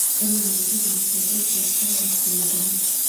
ტელომერები დამცველობით ფუნქციას ასრულებენ.